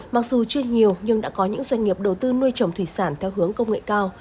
mặc dù chưa nhiều nhưng đã có những doanh nghiệp đầu tư nuôi trồng thủy sản theo hướng công nghệ cao